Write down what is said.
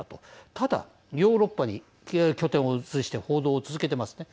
ただヨーロッパに拠点を移して報道を続けていますね。